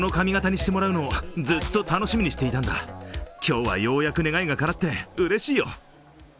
今日はようやく願いがかなってうれしいよ。